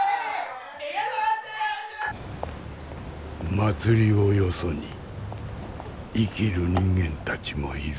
祭りをよそに生きる人間たちもいる。